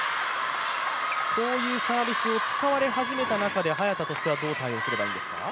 こういうサービスを使われ始めた中で早田としてはどう対応すればいいんですか？